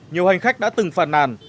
nhiều hành khách đã từng phản nàn